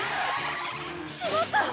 しまった！